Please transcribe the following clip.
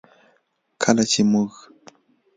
کله چې موږ